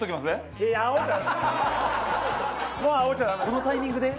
このタイミングで？